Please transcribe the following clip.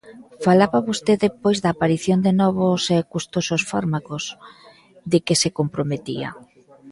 Falaba vostede pois da aparición de novos e custosos fármacos, de que se comprometía.